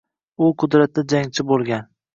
U qudratli jangchi bo‘lgan.